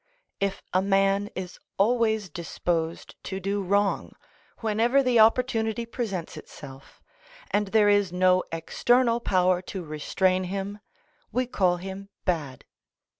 If a man is always disposed to do wrong whenever the opportunity presents itself, and there is no external power to restrain him, we call him bad.